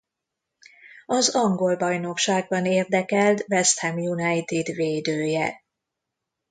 Az angol bajnokságban érdekelt West Ham United védője.